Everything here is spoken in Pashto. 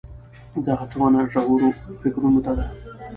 دا هڅونه ژورو فکرونو ته ده.